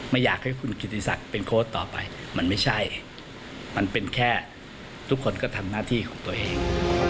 ไม่อยากให้คุณกิติศักดิ์เป็นโค้ชต่อไปมันไม่ใช่มันเป็นแค่ทุกคนก็ทำหน้าที่ของตัวเอง